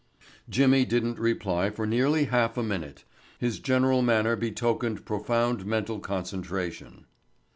Jimmy didn't reply for nearly half a minute. His general manner betokened profound mental concentration.